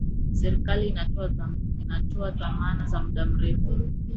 serikali inatoa dhamana za muda mrefu